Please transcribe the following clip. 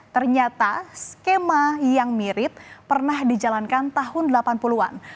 ternyata skema yang mirip pernah dijalankan tahun delapan puluh an